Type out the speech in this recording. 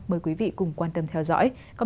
mời quý vị cùng quan tâm theo dõi